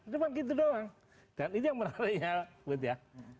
cuma gitu doang dan ini yang menariknya buet ya